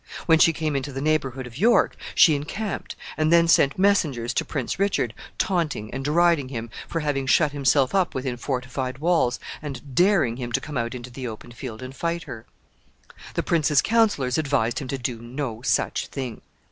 When she came into the neighborhood of York, she encamped, and then sent messengers to Prince Richard, taunting and deriding him for having shut himself up within fortified walls, and daring him to come out into the open field and fight her. The prince's counselors advised him to do no such thing.